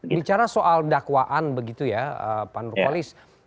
bicara soal dakwaan begitu ya pak nurkolis